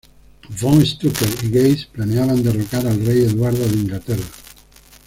Von Strucker y Geist planeaban derrocar al Rey Eduardo de Inglaterra.